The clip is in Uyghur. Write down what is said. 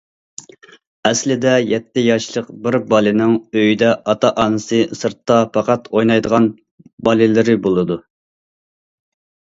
ئەسلىدە يەتتە ياشلىق بىر بالىنىڭ ئۆيدە ئاتا- ئانىسى، سىرتتا پەقەت ئوينايدىغان بالىلىرى بولىدۇ.